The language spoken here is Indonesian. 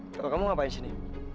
kalau kamu ngapain sini